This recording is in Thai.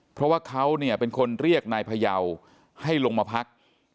เพราะว่าเขาเนี่ยเป็นคนเรียกนายพยาวให้ลงมาพัก